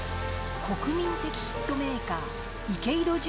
国民的ヒットメーカー池井戸潤